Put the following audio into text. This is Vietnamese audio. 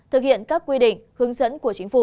thực hiện các quy định hướng dẫn của chính phủ